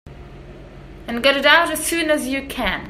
And got it out as soon as you can.